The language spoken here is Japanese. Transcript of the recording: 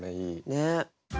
ねっ。